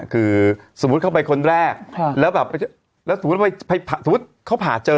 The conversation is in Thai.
คือสมมติเข้าไปคนแรกแล้วสมมติเขาผ่าเจอ